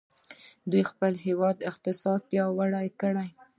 دوی د خپل هیواد اقتصاد پیاوړی کړ.